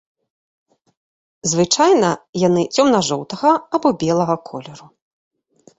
Звычайна яны цёмна-жоўтага або белага колеру.